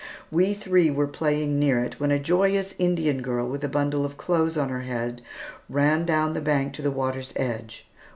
We three were playing near it when a joyous Indian girl with a bundle of clothes on her head ran down the bank to the water's edge.